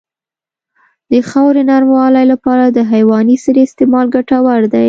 د خاورې نرموالې لپاره د حیواني سرې استعمال ګټور دی.